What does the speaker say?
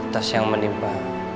tas yang menimpa